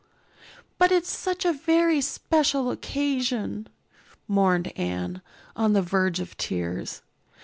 "But it's such a very special occasion," mourned Anne, on the verge of tears.